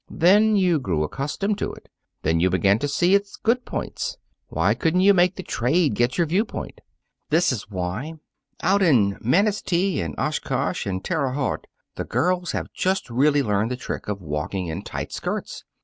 Then you grew accustomed to it. Then you began to see its good points. Why couldn't you make the trade get your viewpoint?" "This is why: Out in Manistee and Oshkosh and Terre Haute, the girls have just really learned the trick of walking in tight skirts.